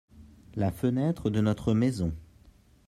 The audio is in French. La fenêtre de notre maison.